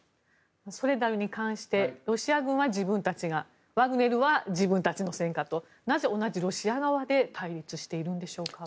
ソレダルに関してロシア軍は自分たちがワグネルは自分たちの戦果となぜ同じロシア側で対立しているんでしょうか。